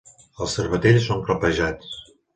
Els cervatells són clapejats.